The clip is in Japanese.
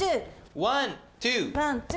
ワン・ツー！